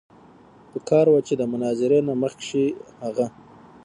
پکار وه چې د مناظرې نه مخکښې هغه